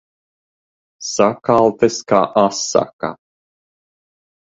Sakaltis kā asaka.